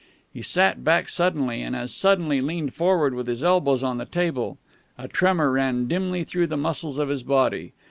He sat back suddenly, and as suddenly leaned forward with his elbows on the table. A tremor ran dimly through the muscles of his body.